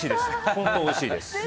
本当おいしいです。